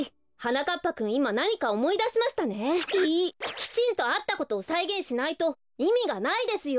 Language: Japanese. きちんとあったことをさいげんしないといみがないですよ！